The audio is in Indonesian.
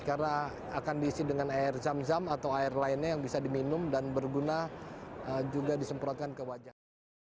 karena akan diisi dengan air zam zam atau air lainnya yang bisa diminum dan berguna juga disemprotkan ke wajah